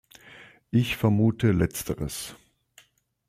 Ich vermute Letzteres.